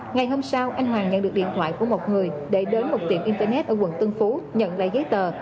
ngày hôm sau anh hoàng nhận được điện thoại của một người để đến một tiệm internet ở quận tân phú nhận lại giấy tờ